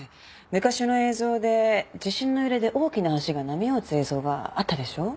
昔の映像で地震の揺れで大きな橋が波を打つ映像があったでしょう？